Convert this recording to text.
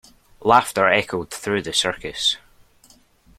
Laughter echoed through the circus.